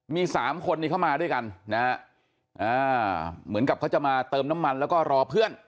มีสามคนนี้เข้ามาด้วยกันนะฮะเหมือนกับเขาจะมาเติมน้ำมันแล้วก็รอเพื่อน